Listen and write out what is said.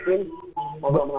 kalau allah mau lihat